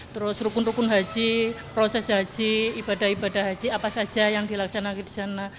terus rukun rukun haji proses haji ibadah ibadah haji apa saja yang dilaksanakan di sana